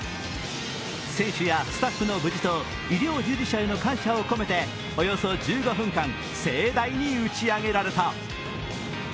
選手やスタッフの無事と医療従事者への感謝を込めておよそ１５分間盛大に打ち上げられた。